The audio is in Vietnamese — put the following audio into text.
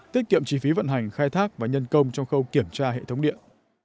tiết kiệm chi phí vận hành khai thác và nhân công trong khâu kiểm tra hệ thống điện